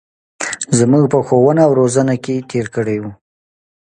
زمـوږ په ښـوونه او روزنـه کـې تېـر کـړى و.